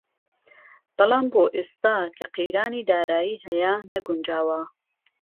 بهڵام بۆ ئێستا كه قهیرانی دارایی ههیه نهگونجاوه